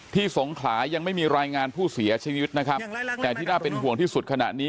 สงขลายังไม่มีรายงานผู้เสียชีวิตนะครับแต่ที่น่าเป็นห่วงที่สุดขณะนี้